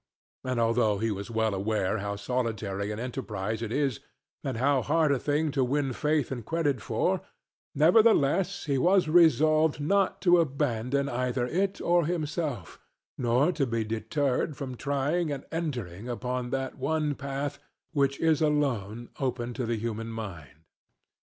And although he was well aware how solitary an enterprise it is, and how hard a thing to win faith and credit for, nevertheless he was resolved not to abandon either it or himself; nor to be deterred from trying and entering upon that one path which is alone open to the human mind.